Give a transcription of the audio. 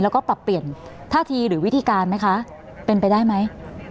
แล้วก็ปรับเปลี่ยนท่าทีหรือวิธีการไหมคะเป็นไปได้ไหม